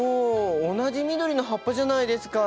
同じ緑の葉っぱじゃないですか！